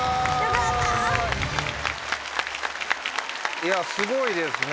いやすごいですね。